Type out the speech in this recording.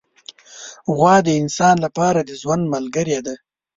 غوا د انسان له پاره د ژوند ملګرې ده.